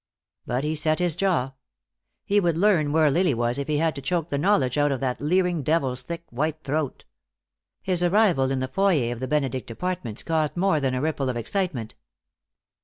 But he set his jaw. He would learn where Lily was if he had to choke the knowledge out of that leering devil's thick white throat. His arrival in the foyer of the Benedict Apartments caused more than a ripple of excitement.